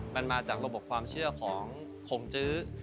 มันมาจากระบบความเชื่อของขมจื้อ